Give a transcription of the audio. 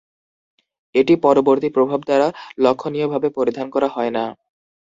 এটি পরবর্তী প্রভাব দ্বারা লক্ষণীয়ভাবে পরিধান করা হয় না।